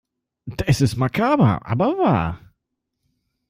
Es ist makaber aber wahr.